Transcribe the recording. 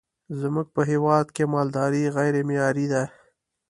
زمونږ په هیواد کی مالداری غیری معیاری ده